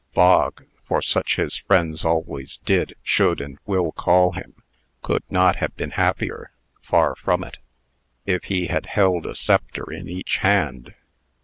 Bog for such his friends always did, should, and will call him could not have been happier far from it! if he had held a sceptre in each hand.